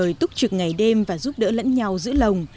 người túc trực ngày đêm và giúp đỡ lẫn nhau giữ lồng